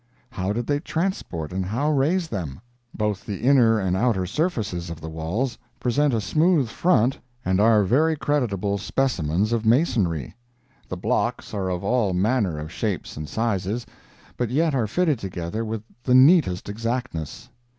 How did they transport and how raise them? Both the inner and outer surfaces of the walls present a smooth front and are very creditable specimens of masonry. The blocks are of all manner of shapes and sizes, but yet are fitted together with the neatest exactness.